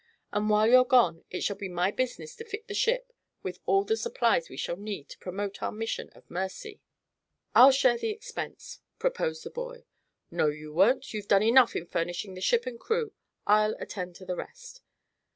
And while you're gone it shall be my business to fit the ship with all the supplies we shall need to promote our mission of mercy." "I'll share the expense," proposed the boy. "No, you won't. You've done enough in furnishing the ship and crew. I'll attend to the rest."